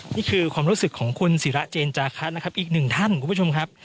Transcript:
นี่คือความรู้สึกของคุณศิระเจนจาคะนะครับอีกหนึ่งท่านคุณผู้ชมครับ